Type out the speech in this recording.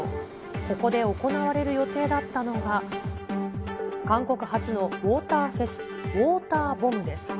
ここで行われる予定だったのが、韓国発のウオーターフェス、ＷＡＴＥＲＢＯＭＢです。